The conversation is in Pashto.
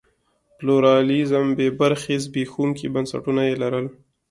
پلورالېزم بې برخې زبېښونکي بنسټونه یې لرل.